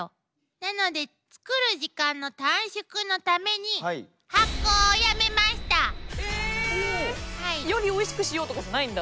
なので作る時間の短縮のためにええ？よりおいしくしようとかじゃないんだ。